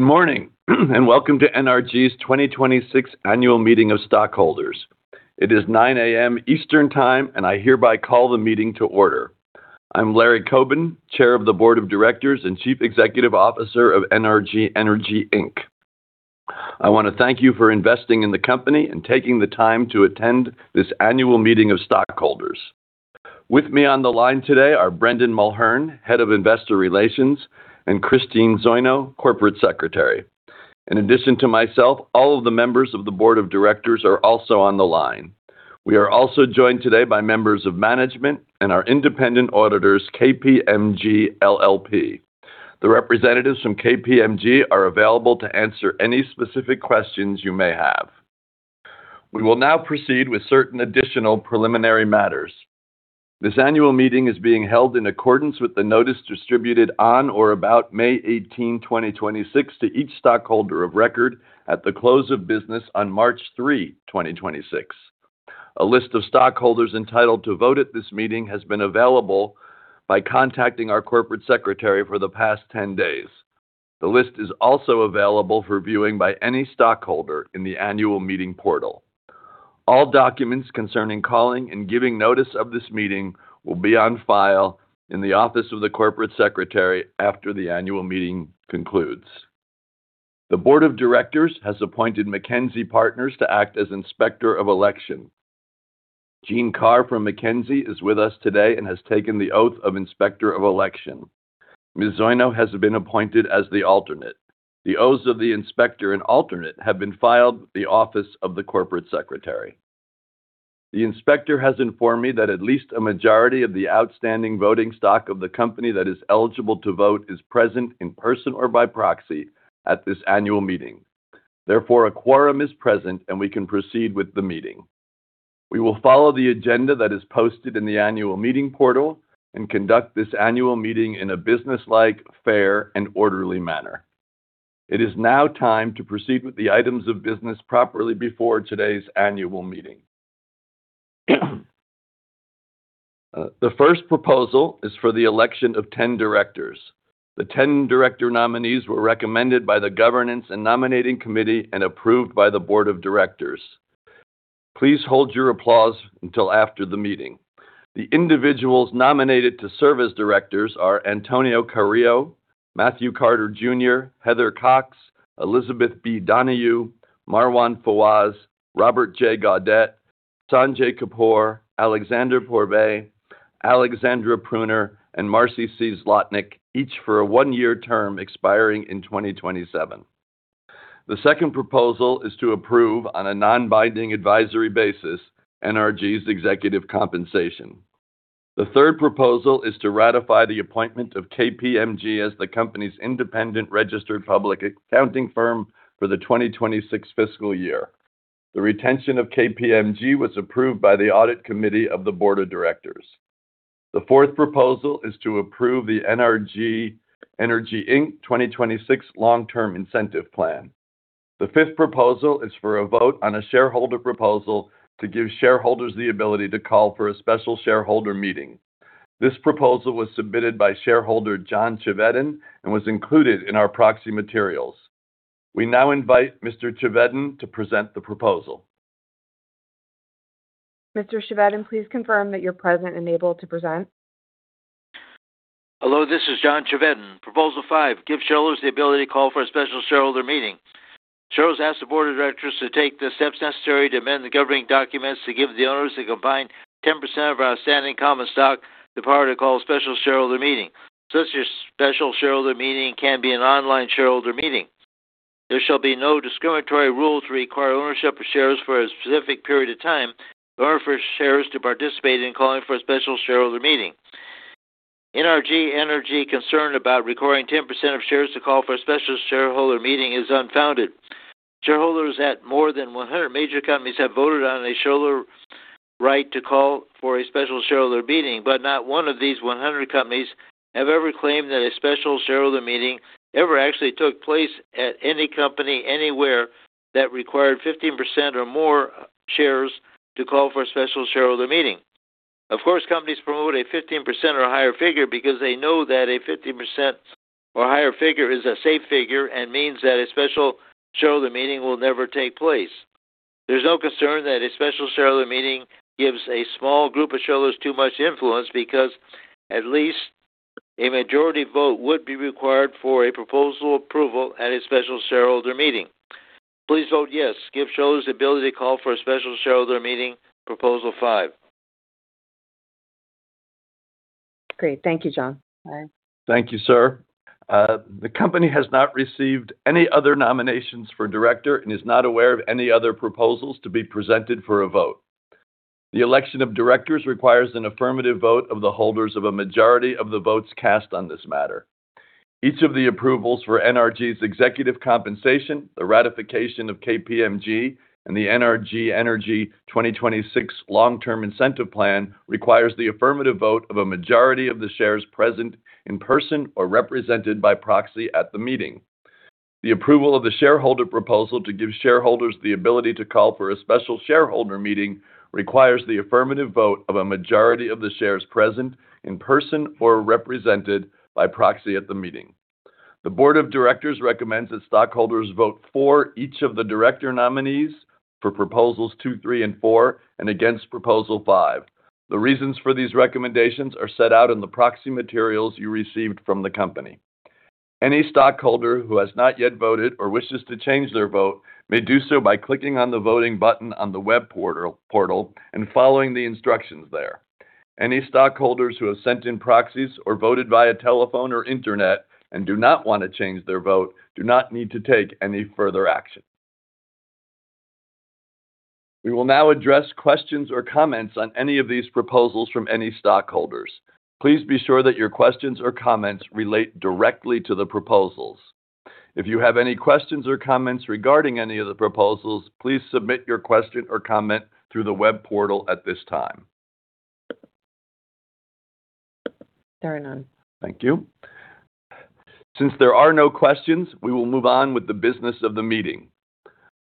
Morning, welcome to NRG's 2026 Annual Meeting of Stockholders. It is 9:00 A.M. Eastern Time, and I hereby call the meeting to order. I'm Larry Coben, Chair of the Board of Directors and Chief Executive Officer of NRG Energy Inc. I wanna thank you for investing in the company and taking the time to attend this annual meeting of stockholders. With me on the line today are Brendan Mulhern, Head of Investor Relations, and Christine Zoino, Corporate Secretary. In addition to myself, all of the members of the Board of Directors are also on the line. We are also joined today by members of management and our independent auditors, KPMG LLP. The representatives from KPMG are available to answer any specific questions you may have. We will now proceed with certain additional preliminary matters. This annual meeting is being held in accordance with the notice distributed on or about May 18, 2026 to each stockholder of record at the close of business on March 3, 2026. A list of stockholders entitled to vote at this meeting has been available by contacting our Corporate Secretary for the past 10 days. The list is also available for viewing by any stockholder in the annual meeting portal. All documents concerning calling and giving notice of this meeting will be on file in the office of the Corporate Secretary after the annual meeting concludes. The Board of Directors has appointed Morrow Sodali to act as Inspector of Election. Gene Carr from Morrow Sodali is with us today and has taken the oath of Inspector of Election. Ms. Zoino has been appointed as the alternate. The oaths of the inspector and alternate have been filed with the office of the Corporate Secretary. The inspector has informed me that at least a majority of the outstanding voting stock of the company that is eligible to vote is present in person or by proxy at this annual meeting. Therefore, a quorum is present, and we can proceed with the meeting. We will follow the agenda that is posted in the annual meeting portal and conduct this annual meeting in a businesslike, fair, and orderly manner. It is now time to proceed with the items of business properly before today's annual meeting. The first proposal is for the election of 10 directors. The 10 director nominees were recommended by the Governance and Nominating Committee and approved by the Board of Directors. Please hold your applause until after the meeting. The individuals nominated to serve as directors are Antonio Carrillo, Matthew Carter Junior, Heather Cox, Elisabeth B. Donohue, Marwan Fawaz, Robert J. Gaudette, Sanjay Kapoor, Alexandre Pourbaix, Alexandra Pruner, and Marcie C. Zlotnik, each for a one-year term expiring in 2027. The second proposal is to approve on a non-binding advisory basis NRG's executive compensation. The third proposal is to ratify the appointment of KPMG as the company's independent registered public accounting firm for the 2026 fiscal year. The retention of KPMG was approved by the audit committee of the board of directors. The fourth proposal is to approve the NRG Energy, Inc. 2026 Long-Term Incentive Plan. The fifth proposal is for a vote on a shareholder proposal to give shareholders the ability to call for a special shareholder meeting. This proposal was submitted by shareholder John Chevedden and was included in our proxy materials. We now invite Mr. Chevedden to present the proposal. Mr. Chevedden, please confirm that you're present and able to present. Hello, this is John Chevedden. Proposal 5, give shareholders the ability to call for a special shareholder meeting. Shareholders ask the board of directors to take the steps necessary to amend the governing documents to give the owners that combine 10% of our outstanding common stock the power to call a special shareholder meeting. Such a special shareholder meeting can be an online shareholder meeting. There shall be no discriminatory rules to require ownership of shares for a specific period of time in order for shares to participate in calling for a special shareholder meeting. NRG Energy concern about requiring 10% of shares to call for a special shareholder meeting is unfounded. Shareholders at more than 100 major companies have voted on a shareholder right to call for a special shareholder meeting, but not one of these 100 companies have ever claimed that a special shareholder meeting ever actually took place at any company anywhere that required 15% or more shares to call for a special shareholder meeting. Of course, companies promote a 15% or higher figure because they know that a 15% or higher figure is a safe figure and means that a special shareholder meeting will never take place. There's no concern that a special shareholder meeting gives a small group of shareholders too much influence because at least a majority vote would be required for a proposal approval at a special shareholder meeting. Please vote yes. Give shareholders the ability to call for a special shareholder meeting, Proposal 5. Great. Thank you, John. Bye. Thank you, sir. The company has not received any other nominations for director and is not aware of any other proposals to be presented for a vote. The election of directors requires an affirmative vote of the holders of a majority of the votes cast on this matter. Each of the approvals for NRG's executive compensation, the ratification of KPMG, and the NRG Energy 2026 Long-Term Incentive Plan requires the affirmative vote of a majority of the shares present in person or represented by proxy at the meeting. The approval of the shareholder proposal to give shareholders the ability to call for a special shareholder meeting requires the affirmative vote of a majority of the shares present in person or represented by proxy at the meeting. The board of directors recommends that stockholders vote for each of the director nominees for proposals 2, 3, and 4, and against proposal 5. The reasons for these recommendations are set out in the proxy materials you received from the company. Any stockholder who has not yet voted or wishes to change their vote may do so by clicking on the voting button on the web portal and following the instructions there. Any stockholders who have sent in proxies or voted via telephone or internet and do not want to change their vote do not need to take any further action. We will now address questions or comments on any of these proposals from any stockholders. Please be sure that your questions or comments relate directly to the proposals. If you have any questions or comments regarding any of the proposals, please submit your question or comment through the web portal at this time. There are none. Thank you. Since there are no questions, we will move on with the business of the meeting.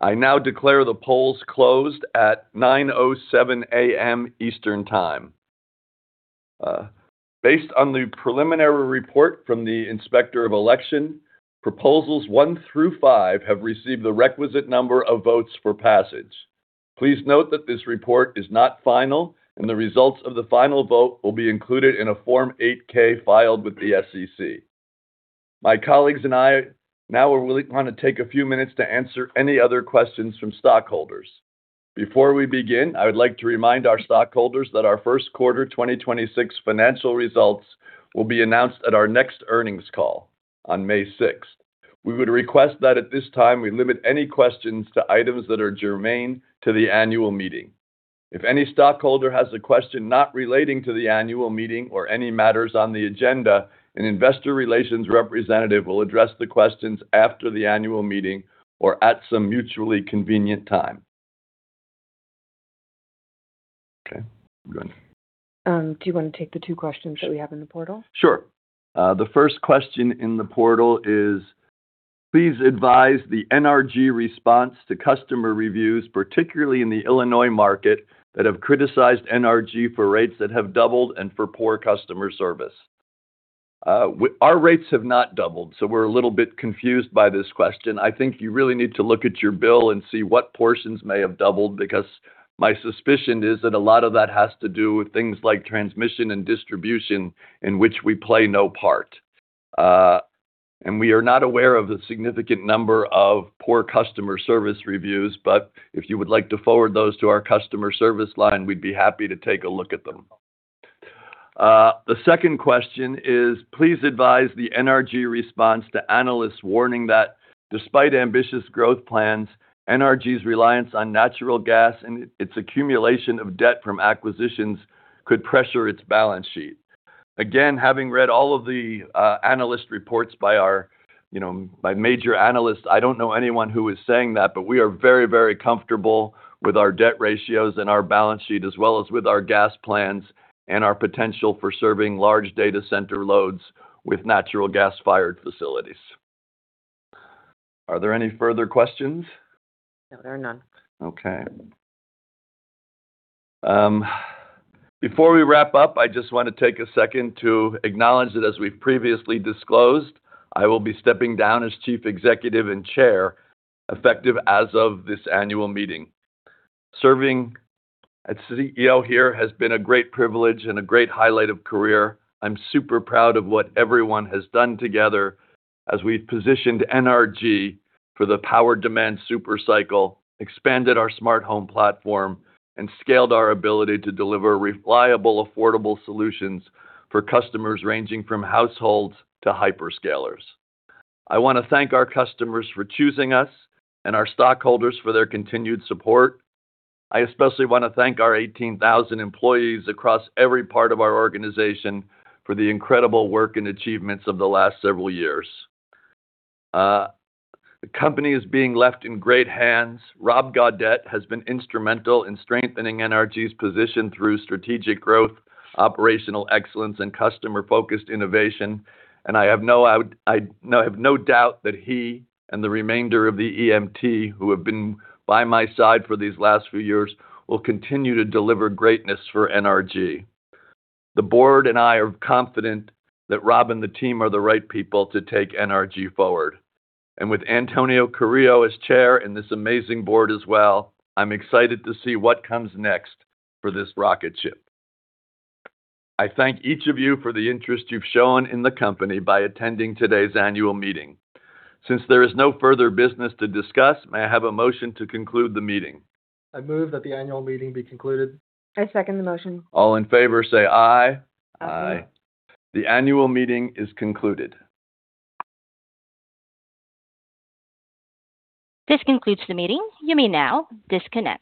I now declare the polls closed at 9:07 A.M. Eastern Time. Based on the preliminary report from the Inspector of Election, proposals 1 through 5 have received the requisite number of votes for passage. Please note that this report is not final, and the results of the final vote will be included in a Form 8-K filed with the SEC. My colleagues and I now will want to take a few minutes to answer any other questions from stockholders. Before we begin, I would like to remind our stockholders that our first quarter 2026 financial results will be announced at our next earnings call on May 6th. We would request that at this time we limit any questions to items that are germane to the annual meeting. If any stockholder has a question not relating to the annual meeting or any matters on the agenda, an investor relations representative will address the questions after the annual meeting or at some mutually convenient time. Okay, go ahead. Do you want to take the two questions that we have in the portal? Sure. The first question in the portal is, "Please advise the NRG response to customer reviews, particularly in the Illinois market, that have criticized NRG for rates that have doubled and for poor customer service." Our rates have not doubled, we're a little bit confused by this question. I think you really need to look at your bill and see what portions may have doubled, because my suspicion is that a lot of that has to do with things like transmission and distribution in which we play no part. We are not aware of the significant number of poor customer service reviews, if you would like to forward those to our customer service line, we'd be happy to take a look at them. The second question is, "Please advise the NRG response to analysts warning that despite ambitious growth plans, NRG's reliance on natural gas and its accumulation of debt from acquisitions could pressure its balance sheet." Again, having read all of the analyst reports by our, you know, by major analysts, I don't know anyone who is saying that, but we are very, very comfortable with our debt ratios and our balance sheet, as well as with our gas plans and our potential for serving large data center loads with natural gas-fired facilities. Are there any further questions? No, there are none. Okay. Before we wrap up, I just want to take a second to acknowledge that as we've previously disclosed, I will be stepping down as Chief Executive and Chair, effective as of this annual meeting. Serving as CEO here has been a great privilege and a great highlight of career. I'm super proud of what everyone has done together as we've positioned NRG for the power demand super cycle, expanded our smart home platform, and scaled our ability to deliver reliable, affordable solutions for customers ranging from households to hyperscalers. I want to thank our customers for choosing us and our stockholders for their continued support. I especially want to thank our 18,000 employees across every part of our organization for the incredible work and achievements of the last several years. The company is being left in great hands. Robert Gaudette has been instrumental in strengthening NRG's position through strategic growth, operational excellence, and customer-focused innovation. I now have no doubt that he and the remainder of the EMT who have been by my side for these last few years will continue to deliver greatness for NRG. The board and I are confident that Rob and the team are the right people to take NRG forward. With Antonio Carrillo as Chair and this amazing board as well, I'm excited to see what comes next for this rocket ship. I thank each of you for the interest you've shown in the company by attending today's annual meeting. Since there is no further business to discuss, may I have a motion to conclude the meeting? I move that the annual meeting be concluded. I second the motion. All in favor say aye. Aye. The annual meeting is concluded. This concludes the meeting. You may now disconnect.